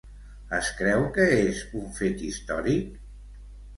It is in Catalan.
Es creu que és un fet històric?